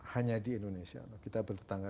hanya di indonesia kita bertetangga